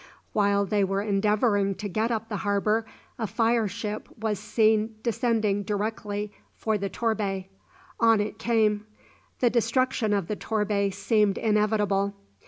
While they were endeavouring to get up the harbour, a fire ship was seen descending directly for the "Torbay." On it came. The destruction of the "Torbay" seemed inevitable.